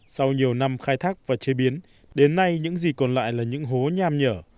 sau nhiều năm khai thác và chế biến đến nay những gì còn lại là những hố nham nhở